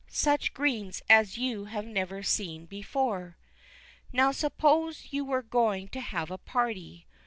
Such greens as you have never seen before. Now suppose you were going to have a party.